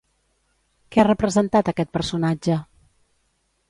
Què ha representat aquest personatge?